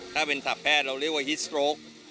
ถ้าเป็นศัพท์แพทย์เราเรียกว่าฮิตสโต๊ค